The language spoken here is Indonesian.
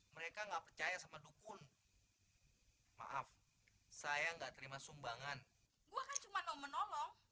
mereka enggak percaya sama dukun maaf saya enggak terima sumbangan gua cuma mau menolong